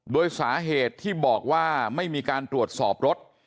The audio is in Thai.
โดยสาเหตุที่บอกว่าไม่มีการตรวจสอบรถ